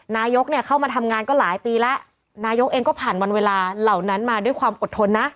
นายกเนี่ยเข้ามาทำงานก็หลายปีแล้วนายกเองก็ผ่านวันเวลาเหล่านั้นมาด้วยความอดทนนะ